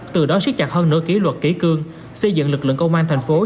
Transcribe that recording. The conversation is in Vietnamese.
từ đó siết chặt hơn nửa ký luật ký cương xây dựng lực lượng công an tp hcm